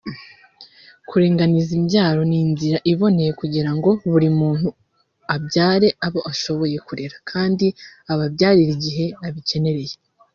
Kuringaniza imbyaro ni inzira iboneye kugira ngo buri muntu abyare abo ashoboye kurera kandi ababyarire igihe abikenereye